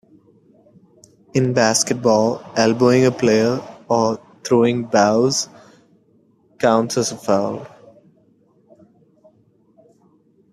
In basketball, elbowing a player, or "throwing 'bows," counts as a foul.